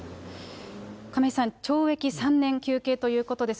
亀井さん、懲役３年求刑ということです。